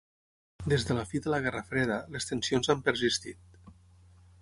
Des de la fi de la Guerra Freda, les tensions han persistit.